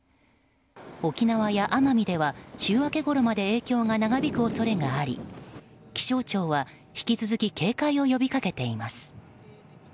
沖縄や奄美では、週明けごろまで影響が長引く恐れがあり気象庁は引き続き警戒を呼びかけています。